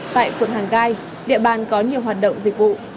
tại phượng hàng gai địa bàn có nhiều hoạt động dịch vụ